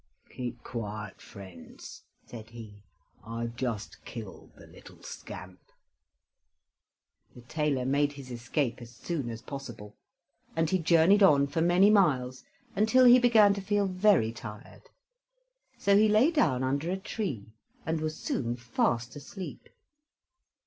"Keep quiet, friends," said he. "I've just killed the little scamp." The tailor made his escape as soon as possible, and he journeyed on for many miles, until he began to feel very tired, so he lay down under a tree, and was soon fast asleep.